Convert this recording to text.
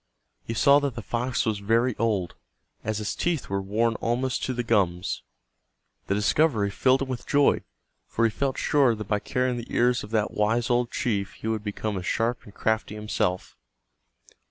He saw that the fox was very old, as its teeth were worn almost to the gums. The discovery filled him with joy, for he felt sure that by carrying the ears of that wise old chief he would become as sharp and crafty himself.